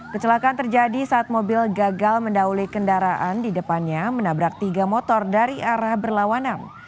kecelakaan terjadi saat mobil gagal mendahuli kendaraan di depannya menabrak tiga motor dari arah berlawanan